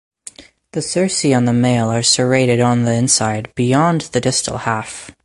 The cerci in the male are serrated on the inside beyond the distal half.